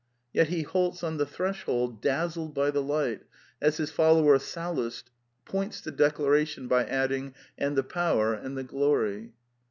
Yet he halts on the threshold, dazzled by the light, as his follower Sallust points the declaration by adding, *' and the power, and the glory."